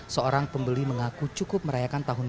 seorang pembeli mengaku cukup merayakan tahun